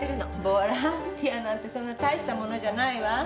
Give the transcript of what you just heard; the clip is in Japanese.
ボランティアなんてそんな大したものじゃないわ。